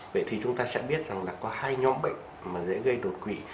vậy thì chúng ta sẽ biết là có hai nhóm bệnh mà dễ gây đột quỷ